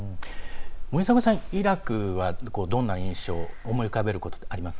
森迫さん、イラクはどんな印象思い浮かべること、あります？